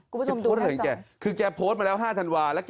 คุณผู้ชมดูหน้าจอว่าคือมันโพสต์มาแล้ว๕ธันวาล